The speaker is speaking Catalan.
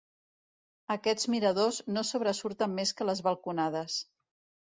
Aquests miradors no sobresurten més que les balconades.